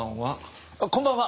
こんばんは。